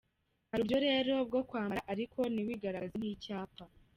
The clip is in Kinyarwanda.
Hari uburyo rero bwo kwambara ariko ntiwigaragaze nk’icyapa.